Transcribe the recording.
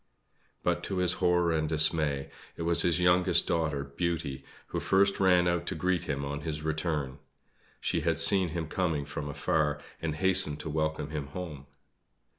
But to his horror and dismay, it was his youngest daughter, Beauty, who first ran out to greet him on his return. She had seen him coming from afar, and hastened to welcome him home.